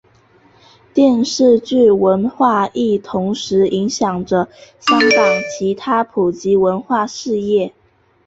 电视剧文化亦同时影响着香港其他普及文化事业。